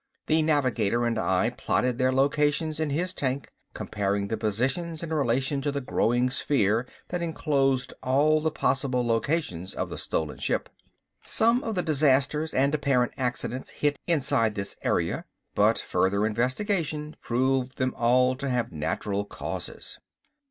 The navigator and I plotted their locations in his tank, comparing the positions in relation to the growing sphere that enclosed all the possible locations of the stolen ship. Some of the disasters and apparent accidents hit inside this area, but further investigation proved them all to have natural causes.